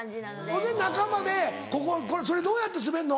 ほんで仲間で「それどうやって滑んの？」